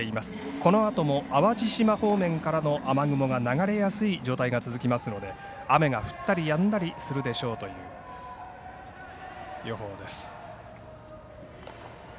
このあとも淡路島方面からの雨雲が流れやすい状態が続きますので雨が降ったりやんだりするでしょうという予報です。